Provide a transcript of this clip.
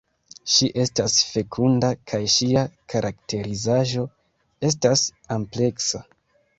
Ŝi estas fekunda kaj ŝia karakterizaĵo estas ampleksa.